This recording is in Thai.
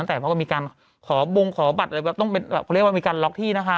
แต่เขาก็มีการขอบงขอบัตรอะไรแบบต้องเป็นเขาเรียกว่ามีการล็อกที่นะคะ